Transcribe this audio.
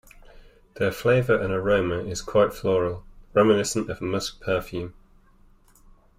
Their flavour and aroma is quite floral, reminiscent of musk perfume.